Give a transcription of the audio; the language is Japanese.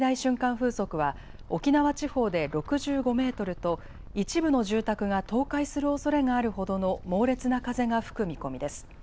風速は沖縄地方で６５メートルと一部の住宅が倒壊するおそれがあるほどの猛烈な風が吹く見込みです。